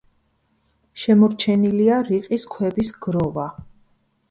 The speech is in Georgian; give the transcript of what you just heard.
შემორჩენილია რიყის ქვების გროვა.